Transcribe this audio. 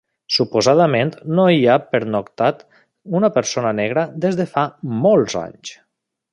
Suposadament no hi ha pernoctat una persona negra des de fa molts anys.